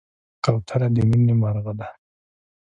کوتره د مینې مرغه ده.